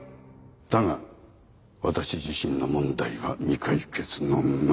だが私自身の問題は未解決のままだ。